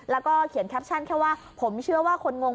แล้วก็เขียนแคปชั่นแค่ว่าผมเชื่อว่าคนงง